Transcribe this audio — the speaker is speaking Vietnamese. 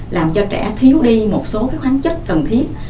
làm cho trẻ thiếu đi một số khoáng chất cần thiết